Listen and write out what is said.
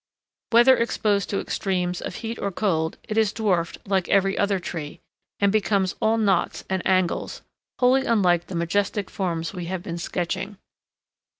Whether exposed to extremes of heat or cold, it is dwarfed like every other tree, and becomes all knots and angles, wholly unlike the majestic forms we have been sketching.